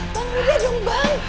bang california bang